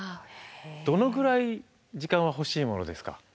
どのぐらい時間は欲しいものですか？